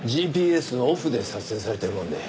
ＧＰＳオフで撮影されてるもんで。